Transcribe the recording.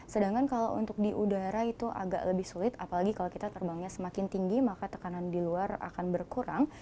sedangkan kalau untuk di udara itu agak lebih sulit apalagi kalau kita terbangnya semakin tinggi maka tekanan di luar akan berkurang